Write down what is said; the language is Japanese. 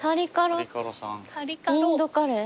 インドカレー？